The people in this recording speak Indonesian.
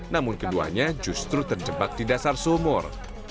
namun keduanya justru terjebak di dasar sumur